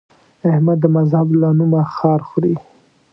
احمد د مذهب له نومه خار خوري.